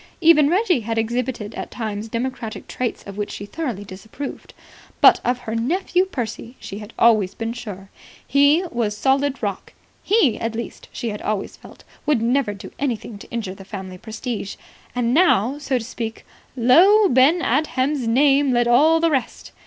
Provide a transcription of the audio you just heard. Even Reggie had exhibited at times democratic traits of which she thoroughly disapproved. But of her nephew Percy she had always been sure. He was solid rock. He, at least, she had always felt, would never do anything to injure the family prestige. And now, so to speak, "Lo, Ben Adhem's name led all the rest."